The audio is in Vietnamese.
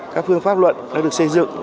các phương pháp luận đã được xây dựng